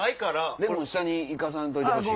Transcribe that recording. レモン下に行かんといてほしい。